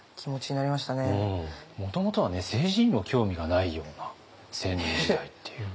もともとはね政治にも興味がないような青年時代っていう。